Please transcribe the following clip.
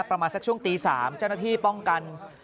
ประมาณสักช่วงตี๓เจ้าหน้าที่ป้องกัน